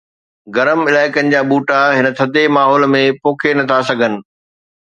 گرم علائقن جا ٻوٽا هن ٿڌي ماحول ۾ پوکي نٿا سگهن